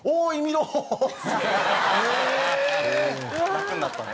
楽になったね。